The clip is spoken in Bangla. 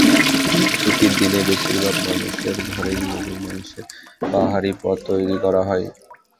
ছুটির দিনে বেশিরভাগ মানুষের ঘরেই গরুর মাংসের বাহারি পদ তৈরি করা হয়।